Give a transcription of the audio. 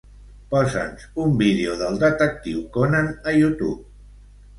Posa'ns un vídeo d'"El detectiu Conan" a YouTube.